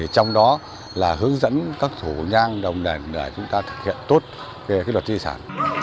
trong đó là hướng dẫn các thủ nhang đồng đền để chúng ta thực hiện tốt luật di sản